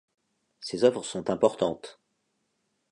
Ses œuvres sont importantes.